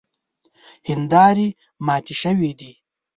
هیندارې ماتې شوې دي.